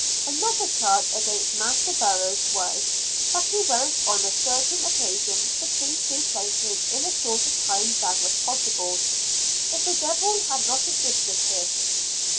Another charge against Master Burroughs was, that he went on a certain occasion between two places in a shorter time than was possible, if the Devil had not assisted him.